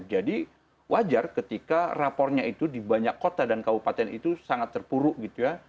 jadi wajar ketika rapornya itu di banyak kota dan kabupaten itu sangat terpuruk gitu ya